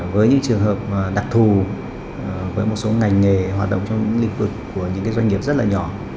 với những trường hợp đặc thù với một số ngành nghề hoạt động trong những lĩnh vực của những doanh nghiệp rất là nhỏ